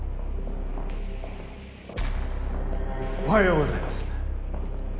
おはようございます。